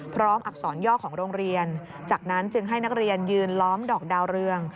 อักษรย่อของโรงเรียนจากนั้นจึงให้นักเรียนยืนล้อมดอกดาวเรือง